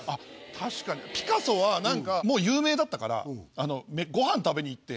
確かにピカソは何かもう有名だったからご飯食べに行って。